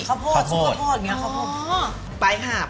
ข้าวโพดข้าวโพดซุปข้าวโพดอย่างเนี่ยข้าวโพด